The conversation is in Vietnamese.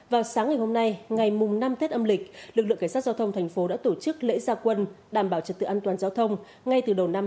vào sáng ngày hôm nay ngày mùng năm tết âm lịch lực lượng khả sát giao thông thành phố đã tổ chức lễ gia quân đảm bảo trật tự an toàn giao thông ngay từ đầu năm hai nghìn một mươi chín